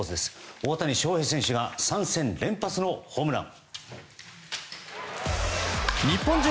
大谷翔平選手が３戦連発のホームラン。